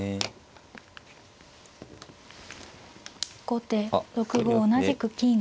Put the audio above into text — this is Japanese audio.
後手６五同じく金。